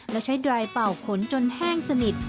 และใช้ดรายเป่าขนจนแห้งสนิท